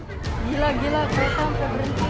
gila gila kereta sampai berhenti